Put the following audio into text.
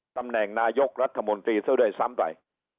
ตำแหน่งนายกรัฐมนตรีซะด้วยซ้ำไป